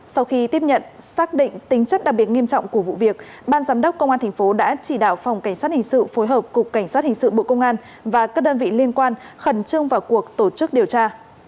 sau khi tiếp nhận xác định tính chất đặc biệt nghiêm trọng của vụ việc ban giám đốc công an tp đã chỉ đạo phòng cảnh sát hình sự phối hợp cục cảnh sát hình sự bộ công an và các đơn vị liên quan khẩn trương vào cuộc tổ chức điều tra